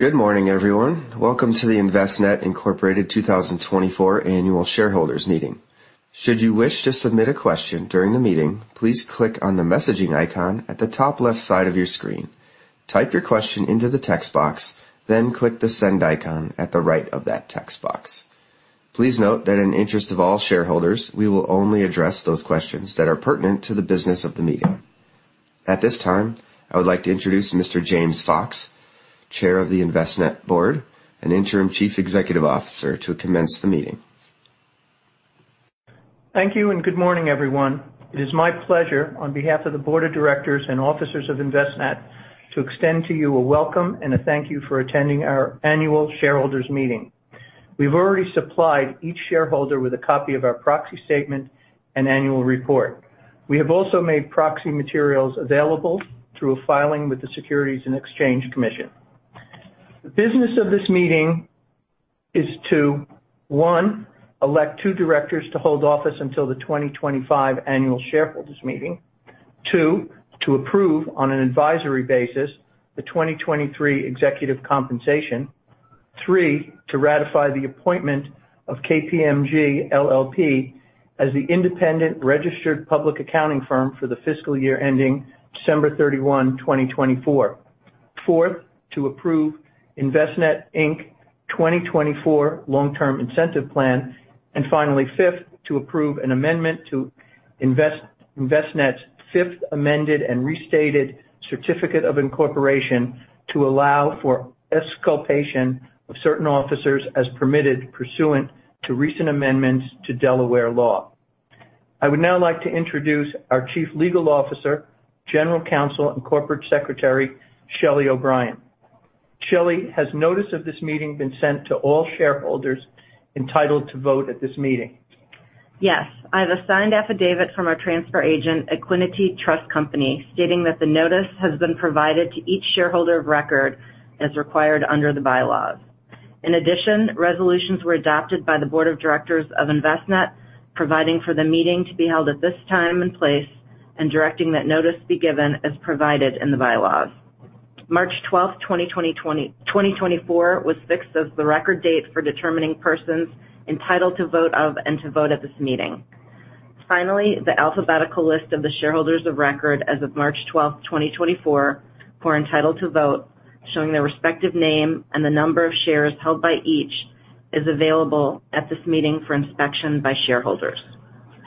Good morning, everyone. Welcome to the Envestnet Incorporated 2024 annual shareholders meeting. Should you wish to submit a question during the meeting, please click on the messaging icon at the top left side of your screen. Type your question into the text box, then click the send icon at the right of that text box. Please note that in interest of all shareholders, we will only address those questions that are pertinent to the business of the meeting. At this time, I would like to introduce Mr. James Fox, Chair of the Envestnet Board and Interim Chief Executive Officer, to commence the meeting. Thank you, and good morning, everyone. It is my pleasure, on behalf of the Board of Directors and Officers of Envestnet, to extend to you a welcome and a thank you for attending our annual shareholders meeting. We've already supplied each shareholder with a copy of our proxy statement and annual report. We have also made proxy materials available through a filing with the Securities and Exchange Commission. The business of this meeting is to, one, elect two directors to hold office until the 2025 annual shareholders meeting. Two, to approve, on an advisory basis, the 2023 executive compensation. Three, to ratify the appointment of KPMG LLP as the independent registered public accounting firm for the fiscal year ending December 31, 2024. Fourth, to approve Envestnet, Inc 2024 Long-Term Incentive Plan, and finally, fifth, to approve an amendment to Envestnet's fifth amended and restated certificate of incorporation to allow for exculpation of certain officers as permitted pursuant to recent amendments to Delaware law. I would now like to introduce our Chief Legal Officer, General Counsel, and Corporate Secretary, Shelly O'Brien. Shelly, has notice of this meeting been sent to all shareholders entitled to vote at this meeting? Yes, I have a signed affidavit from our transfer agent, Equiniti Trust Company, stating that the notice has been provided to each shareholder of record as required under the bylaws. In addition, resolutions were adopted by the board of directors of Envestnet, providing for the meeting to be held at this time and place and directing that notice be given as provided in the bylaws. March 12th, 2024, was fixed as the record date for determining persons entitled to notice of and to vote at this meeting. Finally, the alphabetical list of the shareholders of record as of March 12th, 2024, who are entitled to vote, showing their respective name and the number of shares held by each, is available at this meeting for inspection by shareholders.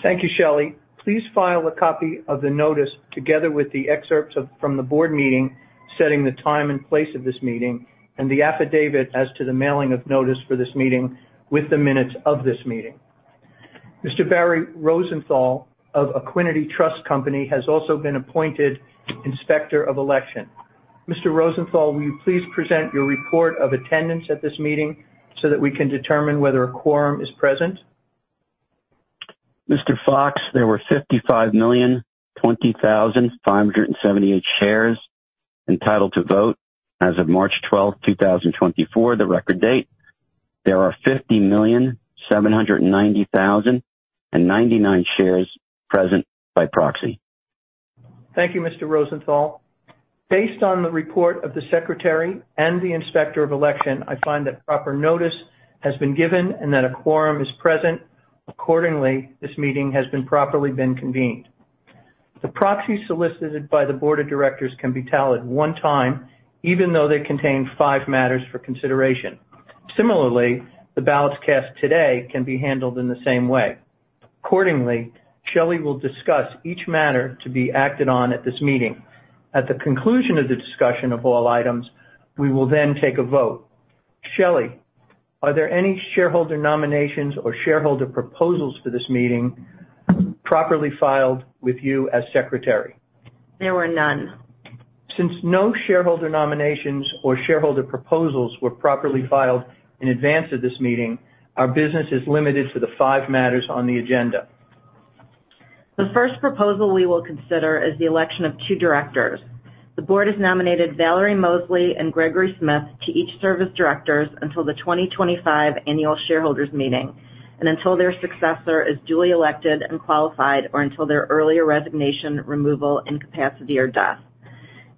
Thank you, Shelly. Please file a copy of the notice, together with the excerpts of, from the board meeting, setting the time and place of this meeting, and the affidavit as to the mailing of notice for this meeting with the minutes of this meeting. Mr. Barry Rosenthal of Equiniti Trust Company has also been appointed Inspector of Election. Mr. Rosenthal, will you please present your report of attendance at this meeting so that we can determine whether a quorum is present? Mr. Fox, there were 55,020,578 shares entitled to vote as of March 12, 2024, the record date. There are 50,790,099 shares present by proxy. Thank you, Mr. Rosenthal. Based on the report of the Secretary and the Inspector of Election, I find that proper notice has been given and that a quorum is present. Accordingly, this meeting has been properly been convened. The proxies solicited by the board of directors can be tallied one time, even though they contain five matters for consideration. Similarly, the ballots cast today can be handled in the same way. Accordingly, Shelly will discuss each matter to be acted on at this meeting. At the conclusion of the discussion of all items, we will then take a vote. Shelly, are there any shareholder nominations or shareholder proposals for this meeting properly filed with you as secretary? There were none. Since no shareholder nominations or shareholder proposals were properly filed in advance of this meeting, our business is limited to the five matters on the agenda. The first proposal we will consider is the election of two directors. The board has nominated Valerie Mosley and Gregory Smith to each serve as directors until the 2025 annual shareholders meeting and until their successor is duly elected and qualified, or until their earlier resignation, removal, incapacity, or death.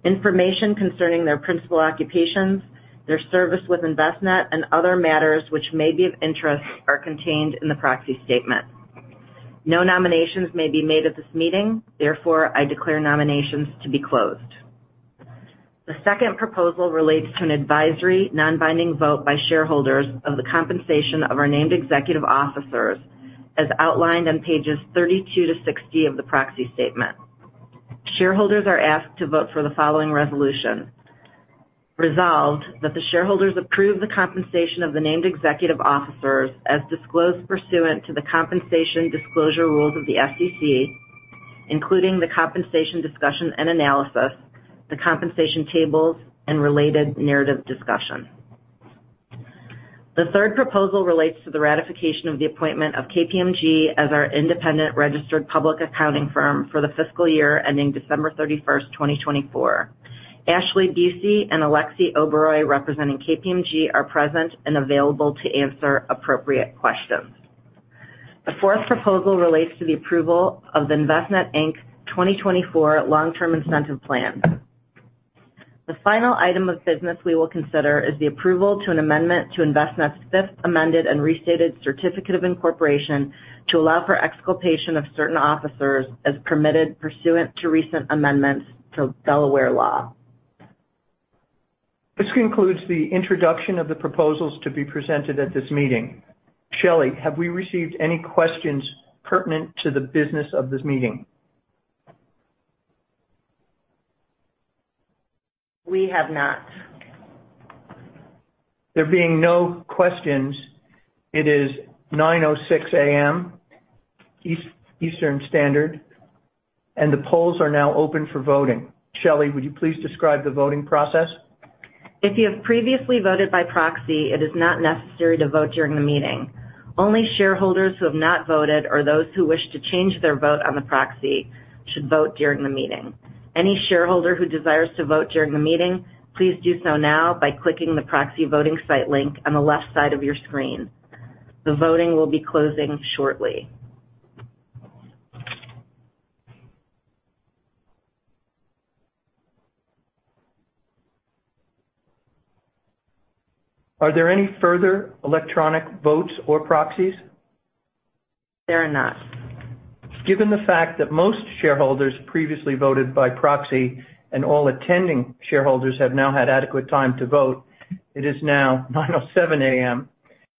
Information concerning their principal occupations, their service with Envestnet, and other matters which may be of interest, are contained in the proxy statement. No nominations may be made at this meeting; therefore, I declare nominations to be closed. The second proposal relates to an advisory, non-binding vote by shareholders of the compensation of our named executive officers, as outlined on pages 32-60 of the proxy statement. Shareholders are asked to vote for the following resolution. Resolved, that the shareholders approve the compensation of the named executive officers as disclosed pursuant to the compensation disclosure rules of the SEC, including the compensation discussion and analysis, the compensation tables, and related narrative discussion. The third proposal relates to the ratification of the appointment of KPMG as our independent registered public accounting firm for the fiscal year ending December 31st, 2024. Ashley Deasy and Aleksey Oberoi, representing KPMG, are present and available to answer appropriate questions. The fourth proposal relates to the approval of the Envestnet, Inc 2024 Long-Term Incentive Plan. The final item of business we will consider is the approval to an amendment to Envestnet's fifth amended and restated certificate of incorporation to allow for exculpation of certain officers as permitted pursuant to recent amendments to Delaware law. This concludes the introduction of the proposals to be presented at this meeting. Shelly, have we received any questions pertinent to the business of this meeting? We have not. There being no questions, it is 9:06 A.M., Eastern Standard, and the polls are now open for voting. Shelly, would you please describe the voting process? If you have previously voted by proxy, it is not necessary to vote during the meeting. Only shareholders who have not voted or those who wish to change their vote on the proxy should vote during the meeting. Any shareholder who desires to vote during the meeting, please do so now by clicking the proxy voting site link on the left side of your screen. The voting will be closing shortly. Are there any further electronic votes or proxies? There are not. Given the fact that most shareholders previously voted by proxy and all attending shareholders have now had adequate time to vote, it is now 9:07 A.M.,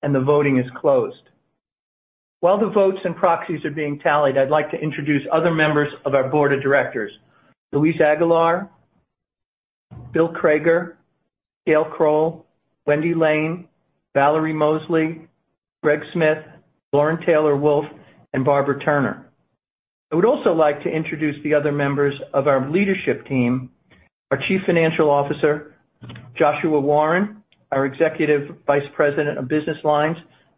and the voting is closed. While the votes and proxies are being tallied, I'd like to introduce other members of our board of directors: Luis Aguilar, Bill Crager, Gayle Crowell, Wendy Lane, Valerie Mosley, Greg Smith, Lauren Taylor Wolfe, and Barbara Turner. I would also like to introduce the other members of our leadership team, our Chief Financial Officer, Joshua Warren, our Executive Vice President of Business Lines,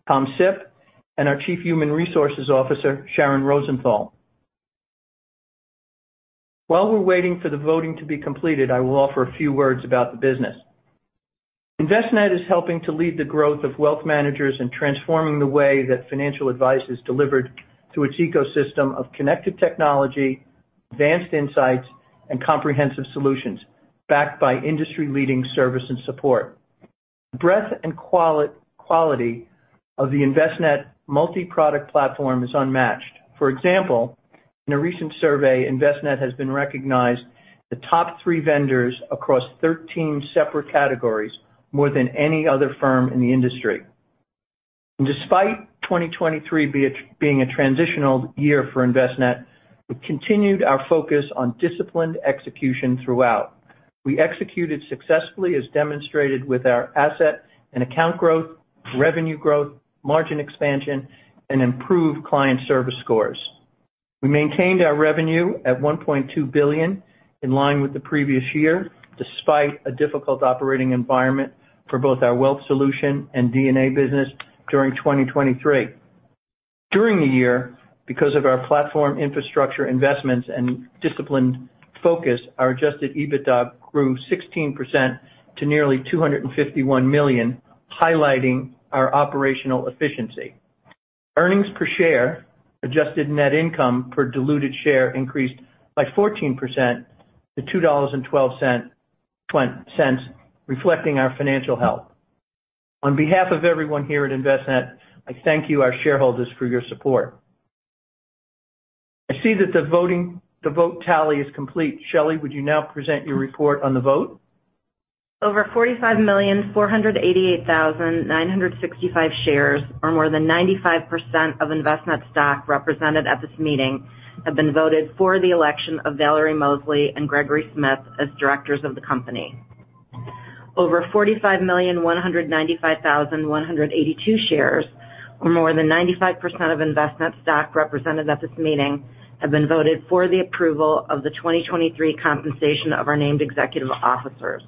Tom Sipp, and our Chief Human Resources Officer, Sharon Rosenthal. While we're waiting for the voting to be completed, I will offer a few words about the business. Envestnet is helping to lead the growth of wealth managers and transforming the way that financial advice is delivered through its ecosystem of connected technology, advanced insights, and comprehensive solutions, backed by industry-leading service and support. Breadth and quality of the Envestnet Multi-Product Platform is unmatched. For example, in a recent survey, Envestnet has been recognized the top three vendors across 13 separate categories, more than any other firm in the industry. Despite 2023 being a transitional year for Envestnet, we continued our focus on disciplined execution throughout. We executed successfully, as demonstrated with our asset and account growth, revenue growth, margin expansion, and improved client service scores. We maintained our revenue at $1.2 billion, in line with the previous year, despite a difficult operating environment for both our wealth solution and D&A business during 2023. During the year, because of our platform infrastructure investments and disciplined focus, our Adjusted EBITDA grew 16% to nearly $251 million, highlighting our operational efficiency. Earnings per share, adjusted net income per diluted share increased by 14% to $2.12, reflecting our financial health. On behalf of everyone here at Envestnet, I thank you, our shareholders, for your support. I see that the voting, the vote tally is complete. Shelly, would you now present your report on the vote? Over 45,488,965 shares, or more than 95% of Envestnet's stock represented at this meeting, have been voted for the election of Valerie Mosley and Gregory Smith as directors of the company. Over 45,195,182 shares, or more than 95% of Envestnet's stock represented at this meeting, have been voted for the approval of the 2023 compensation of our named executive officers.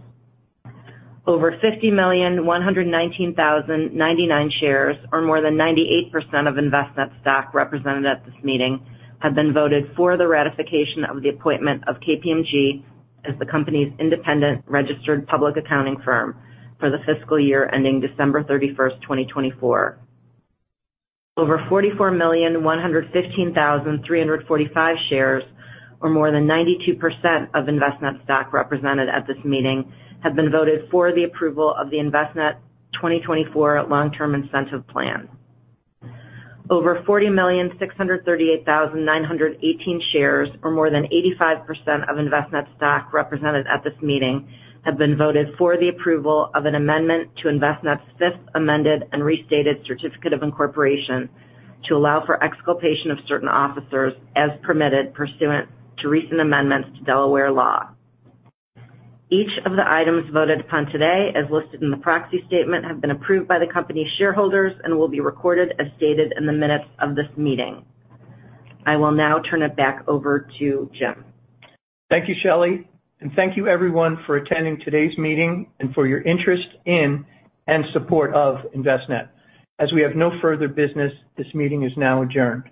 Over 50,119,099 shares, or more than 98% of Envestnet's stock represented at this meeting, have been voted for the ratification of the appointment of KPMG as the company's independent registered public accounting firm for the fiscal year ending December 31, 2024. Over 44,115,345 shares, or more than 92% of Envestnet's stock represented at this meeting, have been voted for the approval of the Envestnet 2024 Long-Term Incentive Plan. Over 40,638,918 shares, or more than 85% of Envestnet's stock represented at this meeting, have been voted for the approval of an amendment to Envestnet's fifth amended and restated certificate of incorporation to allow for exculpation of certain officers, as permitted pursuant to recent amendments to Delaware law. Each of the items voted upon today, as listed in the proxy statement, have been approved by the company's shareholders and will be recorded as stated in the minutes of this meeting. I will now turn it back over to James. Thank you, Shelly, and thank you everyone for attending today's meeting and for your interest in and support of Envestnet. As we have no further business, this meeting is now adjourned.